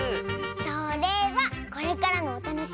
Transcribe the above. それはこれからのおたのしみ！